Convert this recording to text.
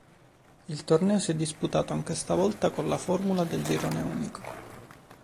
Il torneo si è disputato anche stavolta con la formula del girone unico.